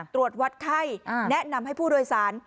ตรวจวัดไข้แนะนำให้ผู้โดยสาร